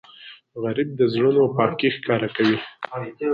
غریب د زړونو پاکی ښکاروي